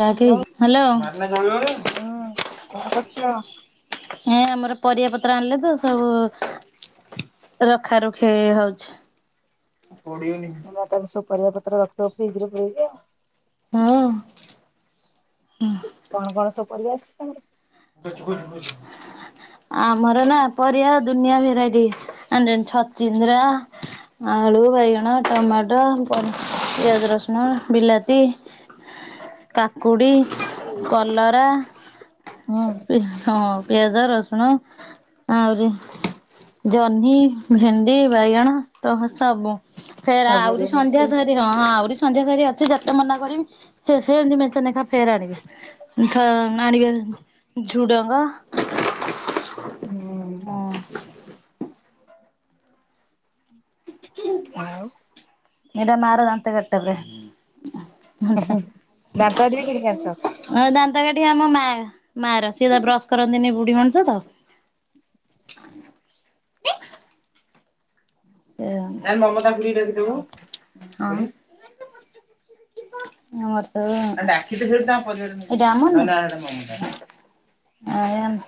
Hello. [inaudible] ହୁଁ କଣ କରୁଛ? ହେଁ ଆମର ପରିବା ପତ୍ର ଆଣିଲେ ତ ସବୁ। ରଖା ରଖି ହଉଛି। କୋଡିଏ ଏ ତାର ସବୁ ପରିବା ପତ୍ର ରଖିଦବ ଫ୍ରିଜରେ ପୁରେଇ କି ଆଉ। ହଁ। କଣ କଣ ସବୁ ପରିବା ଆସିଛି ତାର। [unintelligible] ଆମର ନା ପରିବା ଦୁନିଆ ଭେରାଇଟି ଆଣୁଚନ୍ତି ଛଚିନ୍ଦ୍ରା ଆଳୁ, ବାଇଗଣ, ଟମାଟ ପର [unintelligible] ପିଆଜ, ରସୁଣ, ବିଲାତି କାକୁଡି, କଲରା [unintelligible] ହଁ ପିଆଜ, ରସୁଣ ଆହୁରି ଜହ୍ନି, ଭେଣ୍ଡି, ବାଇଗଣ, ତହ ସବୁ ଫେର ସବୁ ଆହୁରି ରେ ସନ୍ଧ୍ୟା ମିଶି ଧରି ହଁ ହଁ ଆହୁରି ସନ୍ଧ୍ୟାସାରି ଅଛି ଯେତେ ମନା କରିବି ସେ ସେମିତି ମେଞ୍ଚେନାଖା ଫେରେ ଆଣିବେ। ଉଁ ଥ ଆଣିବେ ଝୁଡଙ୍ଗ। ହୁଁ। ହଁ ଆଉ ହେରା ମାର ଦାନ୍ତ କାଠିଟା ବେ। ଉଁ ହୁଁ ଦାନ୍ତକାଠି ବି କିଣିକି ଅଣୁଚ? ହଁ ଦାନ୍ତ କାଠି ଆମ ମା ମାର ସିଏ ତ ବ୍ରସ କରନ୍ତିନି ବୁଢୀ ମଣିସ ତ। ଏ ଆମ୍ [unintelligible] ଯାଆନି ମମତା ଖୁଡିକୁ ଡାକିଦୋବୁ ହଁ ଆଉ। [unintelligible] ଆୟାନ୍।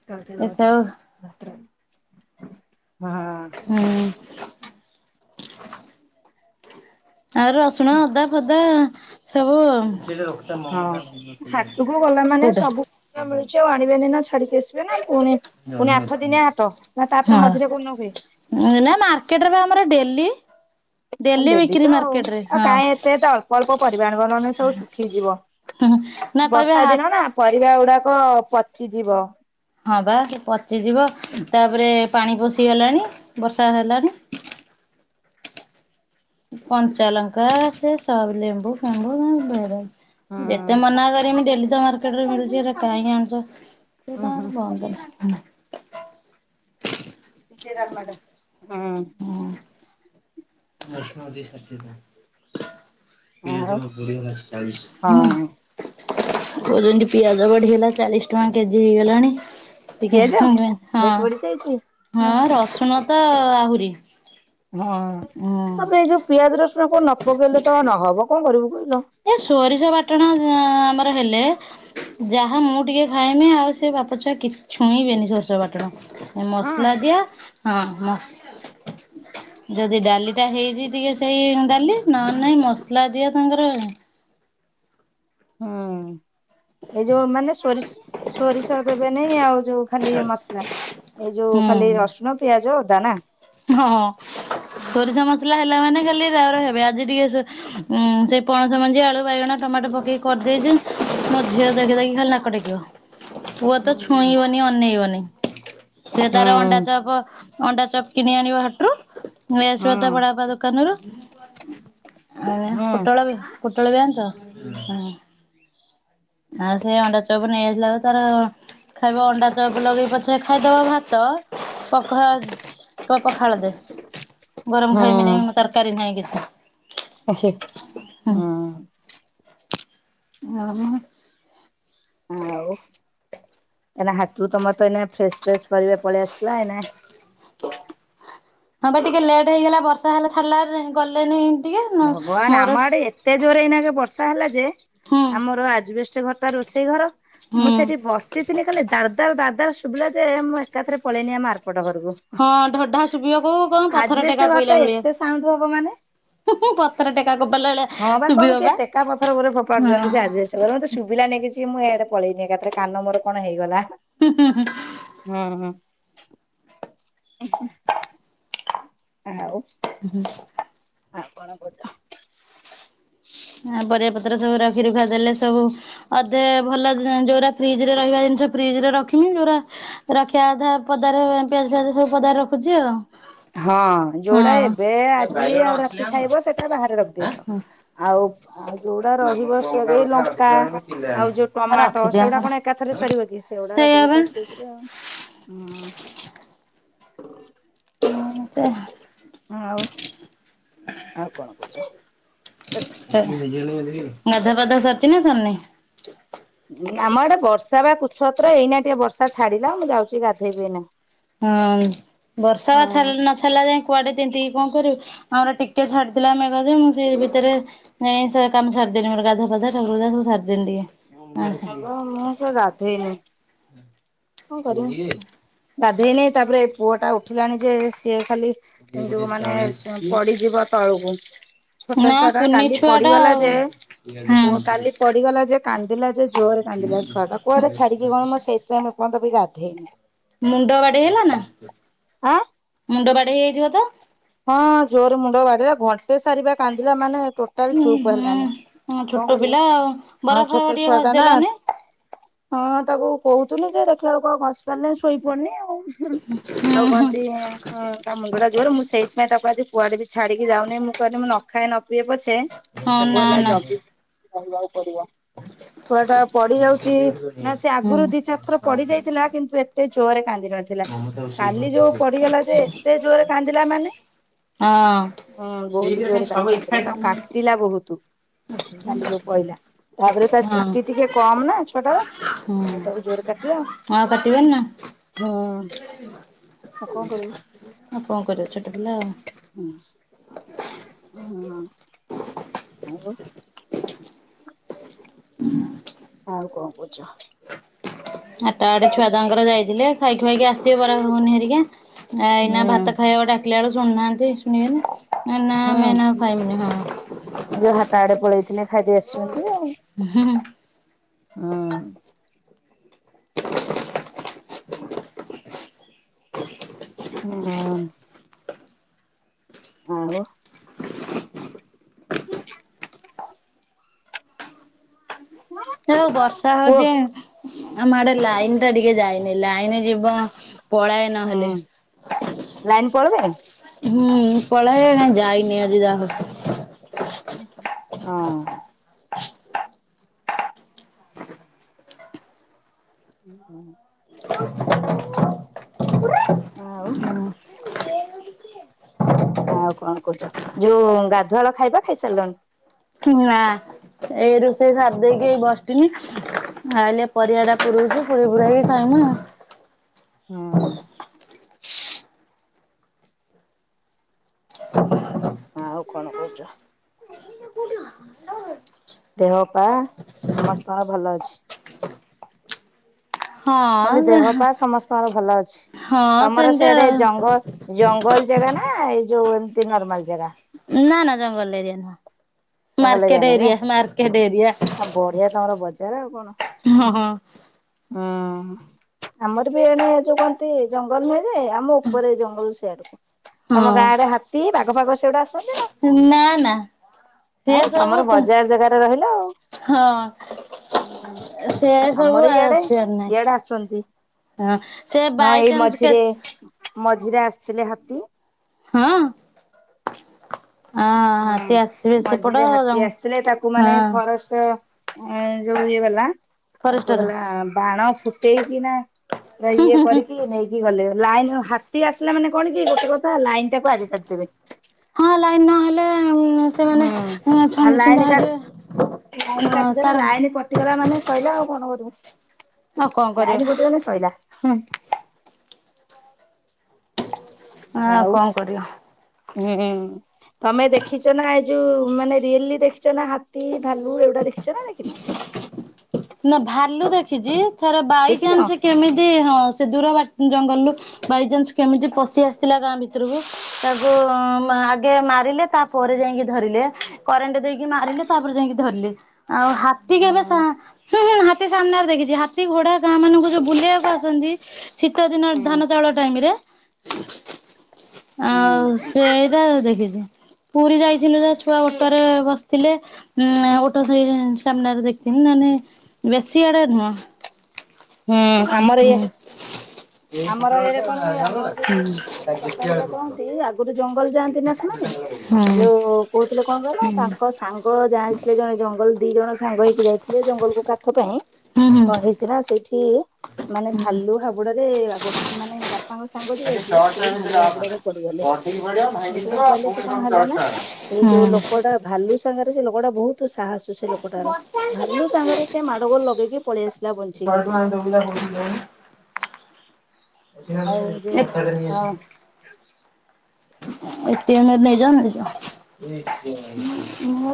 [unintelligible] ହଁ। ହୁଁ। ଆଉ ରସୁଣ ଅଦା ଫଦା ସବୁ। ହଁ ହାଟକୁ ଗଲା ମାନେ କୋଉଟା ସବୁ ପରିବା ମିଳୁଚି ଆଉ ଆଣିବେନି ନା ଛାଡିକି ଆସିବେ ନା ପୁଣି ପୁଣି ଆଠ ଦିନିଆ ହାଟ ନା ତାପରେ ହଁ ମଝିରେ କୋଉ ଦିନ ହୁଏ। ନା ମାର୍କେଟରେ ପା ଆମର ଡେଲି। ଆ ଡେଲି ବିକ୍ରି ତ ଆଉ, ମାର୍କେଟ ରେ ଆଉ ହଁ କାଇଁ ଏତେ ତ ଅଳ୍ପ ପରିବା ଆଣିବ ନହେନେ ଏ ସବୁ ଶୁଖିଯିବ ନା କହିବେ ବର୍ଷା ହା ଦିନ ନା। ପରିବା ଗୁଡାକ ପଚିଯିବ। ହଁ ପା ସେ ପଚିଯିବ ତାପରେ ପାଣି ପଷିଗଲାଣି ବର୍ଷା ହେଲାଣି। କଞ୍ଚା ଲଙ୍କା ସେ ସବୁ୍ ଲେମ୍ବୁ ଫେମ୍ବୁ ଉଁ ଭେରାଇ ଯେତେ ମନା କରମି ଡେଲି ତ ମାର୍କେଟରେ ମିଳୁଚି ହୁଁ ହେରା ଆଉ କାହିଁକି ଆଣୁଚ। ସେ ତାଙ୍କର ବନ୍ଦ ନାହିଁ ହେଲା। [unintelligible] ହୁଁ। [unintelligible] ଇଏ ଯୋଉ [unintelligible] ହୁଁ। ହଁ କୋହୁଚନ୍ତି ପିଆଜ ବଢିଗଲା ଚାଳିଶ ଟଙ୍କା କେଜି ହେଇଗଲାଣି। ଟିକେ ପିଆଜ? ହଁ [unintelligible] ରେଟ୍ ହଁ ବଢି ଯାଇଛି। ହଁ ଓହୋ ରସୁଣ ତ ଆହୁରି ହଁ ହୁଁ ତାପରେ ଏଇ ଯୋଉ ପିଆଜ ରସୁଣ କଣ ନ ପକେଇଲେ ତ ନହବ କଣ କରିବୁ କହିଲ। ଏ ସୋରିଷ ବାଟଣ ଯା ଆମର ହେଲେ ଯାହା ମୁଁ ଟିକେ ଖାଇମି ଆଉ ସେ ବାପ ଛୁଆ କି ଛୁଇଁବେନି ସୋରଷ ବାଟଣ। ହଁ ମସଲା ଦିଆ ହଁ ମସ୍ ଯଦି ଡାଲିଟା ହେଇଚି ଟିକେ ସେଇ ଉଁ ଡାଲି ନହେନେ ନାଇଁ ମସଲା ଦିଆ ତାଙ୍କର ହୁଁ ଏଇ ଯୋଉ ମାନେ ସୋରିଷ୍ ସୋରିଷ ଦେବେ ନାଇଁ ଆଉ ଯୋଉ ଖାଲି ମସଲା ଏଇ ଯୋଉ ଖାଲି ହୁଁ ରସୁଣ ପିଆଜ ଅଦା ନାଁ। ହଁ ସୋରିଷ ମସଲା ହେଲା ମାନେ ଖାଲି ରାଉ ରାଉ ହେବେ। ଆଜି ଟିକେ ସେ ଉଁ ସେଇ ପଣସ ମଞ୍ଜି, ଆଳୁ, ବାଇଗଣ, ଟମାଟ ପକେଇକି କରିଦେଇଚନ୍ ମୋ ଝିଅ ଦେଖି ଦେଇକି ଖାଲି ନାକ ଟେକିବ। ପୁଅ ତ ଛୁଇଁବନି ଅନେଇବନି ସେ ହୁଁ ତାର ଅଣ୍ଡା ଚପ ଅଣ୍ଡାଚପ୍ କିଣି ଆଣିବ ହାଟରୁ ନେଇ ହୁଁ ଆସିବ ତା ବଡ ବାପା ଦୋକାନରୁ। ଆଜ୍ଞା ହୁଁ ପୋଟଳ ବି ପୋଟଳ ବି ଆଣିଚ ହଁ। ଆଉ ସେ ଅଣ୍ଡା ଚପ୍ ନେଇ ଆସିଲାକୁ ତାର ଖାଇବ ଅଣ୍ଡା ଚପ୍ ଲଗେଇ ପଛେ ଖାଇଦବ ଭାତ। ପଖା କଇବ ପଖାଳ ଦେ। ଗରମ ଖାଇମିନି ତରକାରୀ ନାହିଁ କିଛି। ଏ ହେ ଉଁ [unintelligible] ଆଉ। ଏନେ ହାଟରୁ ତମର ଏନେ ଫ୍ରେସ୍ ଫ୍ରେସ୍ ପରିବା ପଳେଇ ଆସିବ ଏନେ ହଁ ବା, ଟିକେ ଲେଟ୍ ହେଇଗଲା ବର୍ଷା ହେଲା ଛାଡିଲା, ଗଲେନି ଟିକେ। ଭଗବାନ ଆମ ମୋର ଆଡେ ଏତେ ଜୋରେ ଏଇନାଗେ ବର୍ଷା ହେଲା ଯେ, ହୁଁ ଆମର ଆଜବେଷ୍ଟ ଘରଟା ରୋଷେଇ ଘର ମୁଁ ହୁଁ ସେଠି ବସିଥିଲି, ଖାଲି ଦାଳ୍ ଦାଳ୍ ଶୁଭିଲା ଯେ ମୁଁ ଏକାଥରେ ପଳେଇନି ଆମ ଆାରପଟ ଘରକୁ। ହଁ ଧଡ୍ ଧଢା ଶୁଭିବାକୁ କଣ ପଥର ଆଜବେଷ୍ଟ ଟେକା ଘରଟା ପଇଲା ଭଳିଆ? ଏତେ ସାଉଣ୍ଡ ହବ ମାନେ ହୁଁ ହୁଁ, ପଥର ଟେକା ଫୋପାଡିଲା ଭଳିଆ। ହଁ ବା, କଇବ କିଏ ଟେକା ପଥର ପରି ହଁ ଫୋପାଡୁଛନ୍ତି, ସେ ଆଜବେଷ୍ଟ ଏଇରା ମତେ ଶୁଭିଲାନି କିଛି, ମୁଁ ଇଆଡେ ପଳେଇନି ଏକାଥରେ କାନ ମୋର କଣ ହେଇଗଲା? ହୁଁ ହୁଁ ହୁଁ। [unintelligible] ଆଉ ଉଁ ହୁଁ। ଆପଣ [unintelligible] ଆ ପରିବା ପତ୍ର ସବୁ ରଖି ରୁଖା ଦେଲେ, ସବୁ ଅଧେ ଭଲ, ଯୋଉରା ଫ୍ରିଜରେ ରହିବା ଜିନିଷ ଫ୍ରିଜରେ ରଖିମୁଁ। ଯୋଉରା ରଖିବା କଥା ପଦାରେ ପିଆଜ ଫିଆଜ ସବୁ ପଦାରେ ରଖୁଛି ଆଉ। ହଁ, ଯୋଉଡା ଏବେ ଆଜି ଆଉ ରାତିକି ଖାଇବ ସେଇଟା ବାହାରେ ରଖି ହଁ ଦେଇଥାଅ। ଆଉ ଆଉ ଯୋଉଟା ରହିବ, ସିଆଡେ ଲଙ୍କା ଆଉ ଯୋଉ ଟମାଟୋ ରଖିଦିଅ ସେଗୁଡା ଆମର କଣ ଏକାଥରେ ସରିବ କି, ସେଗୁଡା ସେଇଆ ବା ରଖିଦେଇଥବ ଫ୍ରିଜରେ ଆଉ? ଉଁ। କଣ କହ? ଆଉ ଆଉ କଣ କହୁଚ? ଗାଧା ପାଧା ସରିଚି ନା ସରିନି? ଆମ ଆଡେ ବର୍ଷା ବା କୁଛତ୍ର ଏଇନା ଟିକେ ବର୍ଷା ଛାଡିଲା। ମୁଁ ଯାଉଛି ଗାଧେଇବି ଏଇନା। ହଁ, ବର୍ଷା ବା ଛାଡି ହଁ ନ ଛାଡିଲା ଯାଇଁ କୁଆଡେ ତିନ୍ତିକି କଣ କରିବୁ? ଆମର ଟିକେ ଛାଡିଥିଲା ମେଘ ଯେ, ମୁଁ ସେଇ ଭିତରେ ନାଇଁ, ସେ କାମ ସରିଦେନି ମୋର ଗାଧା ପାଧା ଠକୁରା ପୂଜା ସବୁ ସରିିଦେଲି ଟିକେ। ମେଘ, ମୁଁ ସେ ଗାଧେଇନି। [inaudible] କଣ କରିବ? ଯୋଉ ମାନେ ପ-ପଡିଯିବ ତଳକୁ। ଛୋଟ ନା ଛୁଆଟା କୁନି କାଲି ଛୁଆ ଟା ପଡିଗଲା ଆଉ ଯେ, ହଁ ପୁଅ କାଲି ପଡିଗଲା ଯେ କାନ୍ଦିଲା ଯେ ଜୋରେ କନ୍ଦିଲା ଛୁଆଟା। କୁଆଡେ ଛାଡିକି କଣ ମୁଁ ସେଥିପାଇଁ ମୁଁ ଏପର୍ଯ୍ୟନ୍ତ ବି ଗାଧେଇନି? ମୁଣ୍ଡ ବାଡେଇ ହେଲା ନା। ଆଁ। ମୁଣ୍ଡ ବାଡେଇ ହେଇଯାଇଥିବ ତ। ହଁ ଜୋରେ ମୁଣ୍ଡ ବାଡେଲା, ଘଣ୍ଟେ ସାରି ବା କାନ୍ଦିଲା ମାନେ ଟୋ ଟୋଟାଲୀ ଉଁ ଚୁପ୍ ହୁଁ ହେଲାନି, ହଁ କଣ ଛୋଟ କରିବୁ? ପିଲା ଆଉ ହଁ, ବରଫ ଫରଫ ଛୋଟ ଟିକେ ଛୁଆଟା ନା। ଘଷିଦେଲନି। ହଁ, ତାକୁ କହୁଥିଲି ଯେ ଦେଖିଲା ବେଳକୁ ଆଉ ଘସି ପାରିଲେ ଶୋଇପଡଲି ଆଉ। ଆଉ ହୁଁ କଣ ହୁଁ ତି, ତା ମୁଣ୍ଡଟା ଜୋରେ ମୁଁ ସେଇ ସେଥିପାଇଁ ତାକୁ ଆଜି କୁଆଡେ ବି ଛାଡିକି ଯାଉନି। ମୁଁ କହିଲି, ମୁଁ ନଖାଏ ନ ପିଏ ପଛେ ଏ ହଁ ତାକୁ ନା ହେଲା ନା ଜଗିବୁ ଜଗିବାକୁ ପଡିବ। ଛୁଆଟା ପଡି ଯାଉଛି ନା ସେ ହୁଁ ଆଗରୁ ହଁ। ଦି ଚାରି ଥର ପଡି ଯାଇଥିଲା କିନ୍ତୁ ଏ ଏତେ ଜୋରେ କାନ୍ଦି ନଥିଲା, କାଲି ଯୋଉ ପଡିଗଲା ଯେ ଏତେ ଜୋର୍ ରେ କାନ୍ଦିଲା ମାନେ। ଅଁ -ଅ। ହୁଁ ବହୁତ୍ ଜୋରେ [unintelligible] କାନ୍ଦିଲା ତାଙ୍କୁ କାଟିଲା ବହୁତ୍। ଚାଲିବ ପଇଲା ତାପରେ ହଁ ଚୁଟି ଟିକେ କମ୍ ନା ଛୁଆଟାର। ହୁଁ ଆଉ ତାକୁ ଜୋରେ କାଟିଲା ଆଉ। କାଟିବେନି ନା ହୁଁ କଣ କରିବୁ। ଆଉ କଣ କରିବ ଛୋଟ ପିଲା ଆଉ। ହୁଁ- ହଁ। ଆଉ। ଆଉ କଣ କହୁଛ? ହାଟ ଆଡେ ଛୁଆ ତାଙ୍କର ଯାଇଥିଲେ ଖାଇ ଖୁଆକି ଆସିଥିବେ ବରା ଘୁଗୁନି ହେରିକା। ଆ ହୁଁ ଏଇନା ଭାତ ଖାଇବାକୁ ଡାକିଲା ବେଳକୁ ଶୁଣୁନାହାନ୍ତି ଶୁଣିବେନି, ନା ଆମେ ଏନା ଖାଇମିନି ହଁ। ଯୋ ହାଟ ଆଡେ ପଳେଇଥିଲେ ଖାଇଦେଇ ଆସିଛନ୍ତି ଆଉ। ହୁଁ -ହୁଁ। ହଁ। [inaudible] ହଁ -ଅଁ- ଅ ହଁ ବ। [inaudible] ହେ ଯୋଉ ବର୍ଷା ପୁଅ ହଉଛି। ଆମ ଆଡେ ଲାଇନ୍ ଟା ଟିକେ ଯାଇନି, ଲାଇନ ଯିବ ପଳାଏ। ହୁଁ ନହେଲେ। ଲାଇନ ପଳେଇବେ ହୁଁ ପଳାଏ, କାଇଁ ଯାଇନି ଆଜି ଯାହଉ। ହଁ। [inaudible] ଆଉ [inaudible] ଆଉ କଣ କରୁଚ? ଯୋଉଁ ଗାଧୁଆଳ ଖାଇବା ଖାଇସାରିଲଣି? ନା ଏଇ ରୁଷେଇ ସାର୍ ଦେଇକି ଏଇ ବସିଥିନି। ଆଇଲେ ପରିବାଟା ପୁରୋଉଚୁ, ପୁରେଇ ପୁରା କି ଖାଇ ମୁ ଆଉ। ହଁ। [inaudible] ଆଉ କଣ କହୁଛ? [inaudible] ଦେହ ପା ସମସ୍ତଙ୍କର ଭଲ ଅଛି। କଲି ହଁ ଦେହ ପା ସମସ୍ତଙ୍କର ଭଲ ଅଛି, ହଁ ତମର ସେମିତି ସେଆଡେ ଆଉ ଜଙ୍ଗଲ୍ ଜଙ୍ଗଲ୍ ଜାଗା ନା ଏଇ ଯୋଉ ଏମିତି ନର୍ମାଲ ଜାଗା? ନା ନା ଜଙ୍ଗଲ ଏରିଆ ନୁହଁ, ମାର୍କେଟ ଏରିଆ, ମାର୍କେଟ ଏରିଆ। ଆ ବଢିଆ ତମର ବଜାର ଆଉ କଣ। ହଁ ହୁଁ ହଁ। ଆମର ବି ଏଣେ ଯୋଉ କନ୍ତି ଜଙ୍ଗଲ ନୁହେଁ ଯେ ଆମ ଉପରେ ଜଙ୍ଗଲ୍ [unintelligible] ତ ତମ ଗାଁରେ ହଁ ହାତୀ, ବାଘ ଫାଗ ସେଗୁଡା ନା ନା ସେ ଆଉ ତମର ସବୁ ବଜାର ଜାଗାରେ ରହିଲ ହଁ ଆଉ। ସେଆ ସବୁ ଆମର ଆ ଇଆଡେ ଆସିବାର ଇଆଡେ ଆସନ୍ତି ନାହିଁ। ହଁ ସେ ହଁ ଏଇ ବାଇଚାନ୍ସ ମଝିରେ କେତେ ମଝିରେ ଆସିଥିଲେ ହାତୀ। ହଁ। ହଁ ହାତୀ ଆସିବେ ସେପଟ ମଝିରେ ହାତୀ ଜଙ୍ଗ ଆସିଥିଲେ ତାକୁ ମାନେ ହଁ ଫରେଷ୍ଟ ଏ ଯୋଉ ଇଏ ବାଲା ତାଙ୍କୁ ଫରେଷ୍ଟର। ହେଲା ବାଣ ଫୁଟ କି ନା ପୁରା ଇଏ କରିକି ନେଇକି ଗଲେ ଲାଇନ ହାତୀ ଆସିଲା ମାନେ କଣ କି ଗୋଟେ କଥା ଲାଇନ ଟାକୁ ଆଗେ କାଟିିଦେବେ। ହଁ ଲାଇନ ନହେଲେ ସେମାନେ ହୁଁ ଛନ୍ଦି ଛୁନ୍ଦା ହେଇଯିବେ ଲାଇନ୍ ହଁ କାଟିଦେବା ତାର ଲାଇନ କଟିଗଲା ମାନେ ସଇିଲା ଆଉ କଣ କରିବୁ। ଆଉ କଣ କରିବ ଲାଇନ କଟି ଗଲେ ଶଇଲା। ଆଉ କଣ କରିବ। ହୁଁ। ତମେ ଦେଖିଚ ନା ଏଇ ଯୋଉ ମାନେ ରିଏଲି ଦେଖିଚ ନା ହାତୀ ଭାଲୁ ଏଗୁଡା ଦେଖିଚ ନା ନାହିଁ କେବେ? ନା ଭାଲୁ ଦେଖିଚି ଥର ଦେଖିଛ? ବାଇଚାନ୍ସ କେମିତି ହଁ ସେ ଦୂର ବା ଜଙ୍ଗଲରୁୁ ବାଇଚନ୍ସ କେମିତି ପଶି ଆସିଥିଲା ଗାଁ ଭିତରକୁ ତାକୁ ମାରିଲେ ତା ପରେରେ ଯାଇକି ଧରିଲେ କରେଣ୍ଟ ଦେଇକି ମାରିଲେ ତାପରେ ଯାଇକି ଧରିଲେ। ଆଉ ହାତୀ କେବେ ହୁଁ ହାତୀ ସାମ୍ନାରେ ଦେଖିଚି ହାତୀ ଘୋଡା ଗାଁ ମାନଙ୍କୁ ଯୋଉ ବୁଲେଇବାକୁ ଆସନ୍ତି ଶୀତ ଦିନରେ ଧାନ ହୁଁ ଚାଉଳ ଟାଇମରେ। ଆଉ ସେଇରା ଦେଖିଚି। ପୁରୀ ଯାଇଥିଲେ ଯା ଛୁଆ ଓଟରେ ବସିଥିଲେ। ଉଁ ଓଠ ସେଇ ସାମ୍ନାରେ ଦେଖିଥିନି ନନେ ବେଶୀ ଆଡେ ନୁହଁ। ହୁଁ ଏଟିଏମ୍ ଆମର ଇଏ ଆମର ଏଇଡେ କଣ ହୁଏ ଆମ ଯଉ ବାପାରିକା କହନ୍ତି ଆଗରୁ ଜଙ୍ଗଲ ଯାଆନ୍ତି ନା ସେମାନେ। ଯୋଉ କହୁଥିଲେ କଣ କହିଲ ତାଙ୍କ ସାଙ୍ଗ ଯାଇଥିଲେ ଜଣେ ଜଙ୍ଗଲ ଦି ଜଣ ସାଙ୍ଗ ହେଇକି ଯାଇଥିଲେ ଜଙ୍ଗଲ କୁ କାଠ ପାଇଁ କଣ ହେଇଥିଲା ସେଇଠି ମାନେ ଭାଲୁ ହାବୁଡରେ ଗୋ ମାନେ ବା ବାପାଙ୍କ ସାଙ୍ଗ ଯିଏ ଯାଇଥିଲେ ସିଏ ଭଲୁ ହାବୁଡରେ ପଡିଗଲେ। ଯେତେବେଳେ ପଇଲେ ସେ କଣ ହେଲା ନା ସେଇ ଯୋଉ ଲୋକଟା ଭାଲୁ ସାଙ୍ଗରେ ସେ ଲୋକଟା ବହୁତ ସାହସ ସେ ଲୋକଟାର ଭାଲୁ ସାଙ୍ଗରେ ସେ ମାଡ ଗୋଳ ଲଗେଇକି ପଳେଇ ଆସିଲା ବଞ୍ଚିକି। ା ବି ଆଉ ଯୋଉ ଏ ହଁ ଫସ ଏତେ ନେଇଯ ନେଇଯ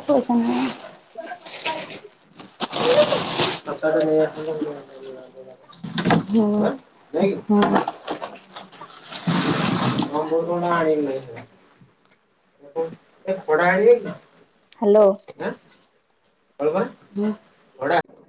ପଇସା ନ [inaudible] ପଟ ନେଇ ହୁଁ ହୁଁ ଆ ବହୁତ ଗଣ ଆଣି ଖଡା ଆଣିବେ କି ହ୍ୟାଲୋ। ବା ହଳ ଭ ହ